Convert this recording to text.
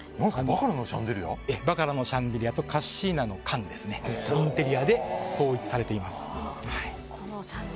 バカラのシャンデリアとカッシーナの家具と統一されています。